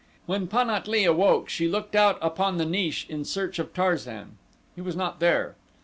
When Pan at lee awoke she looked out upon the niche in search of Tarzan. He was not there.